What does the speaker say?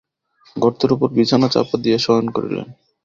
গর্তের উপর বিছানা চাপা দিয়া শয়ন করিলেন।